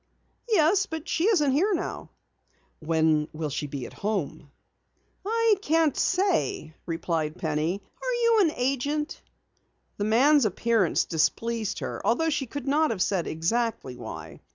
"Yes, but she isn't here now." "When will she be home?" "I can't say," replied Penny. "Are you an agent?" The man's appearance displeased her although she could not have said exactly why.